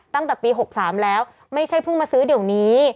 ตั้งแต่ปี๖๓แล้วไม่ใช่เพิ่งมาซื้อเดี๋ยวนี้